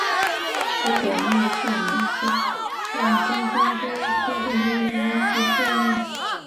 佐佐木胜彦是日本东京都出身的演员及配音员。